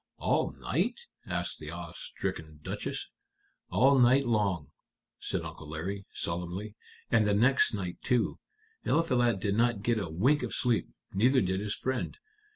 "All night?" asked the awe stricken Duchess. "All night long," said Uncle Larry, solemnly; "and the next night too. Eliphalet did not get a wink of sleep, neither did his friend.